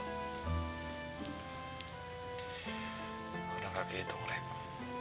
aku sudah berhenti menghitung reku